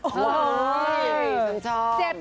โอ้โหสำชอบ